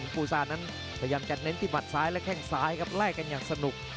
ฟูซานั้นพยายามจะเน้นที่หัดซ้ายและแข้งซ้ายครับไล่กันอย่างสนุก